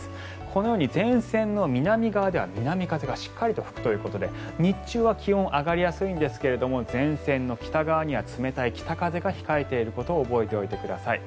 このように前線の南側では南風がしっかり吹くということで日中は気温、上がりやすいんですが前線の北側には冷たい北風が控えていることを覚えておいてください。